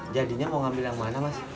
jadinya mau ngambil yang mana mas